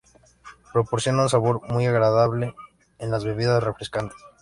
Proporciona un sabor muy agradable en las bebidas refrescantes.